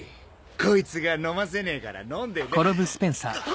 こいつが飲ませねえから飲んでねえ。